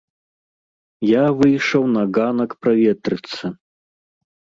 Я выйшаў на ганак праветрыцца.